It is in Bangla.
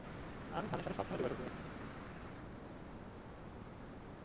আমি ভানুর সাথে সবসময় যোগাযোগ রাখব।